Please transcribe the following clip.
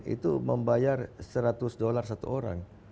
itu membayar seratus dolar satu orang